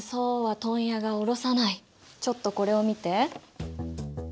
ちょっとこれを見て。